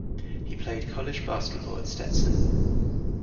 He played college basketball at Stetson.